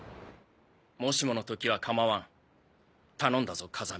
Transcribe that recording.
もしもの時は構わん頼んだぞ風見。